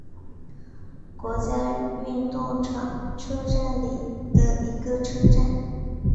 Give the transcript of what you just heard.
国家运动场车站里的一个车站。